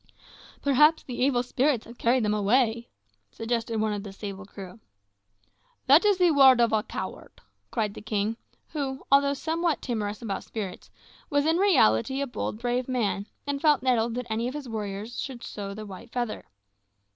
"Perhaps the evil spirits have carried them away," suggested one of the sable crew. "That is the word of a coward," cried the king, who, although somewhat timorous about spirits, was in reality a bold, brave man, and felt nettled that any of his warriors should show the white feather.